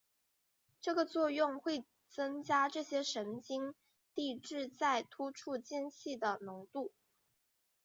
这个作用会增加这些神经递质在突触间隙的浓度。